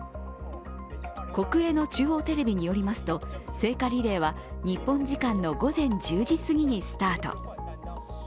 国営の中央テレビによりますと、聖火リレーは日本時間の午前１０時すぎにスタート。